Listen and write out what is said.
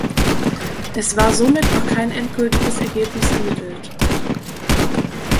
Es war somit noch kein endgültiges Ergebnis ermittelt.